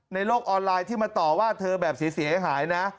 ในโลกออนไลน์ที่มาต่อว่าเธอแบบเสียหายนะ